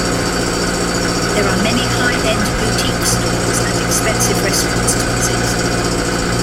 There are many high-end boutique stores and expensive restaurants to visit.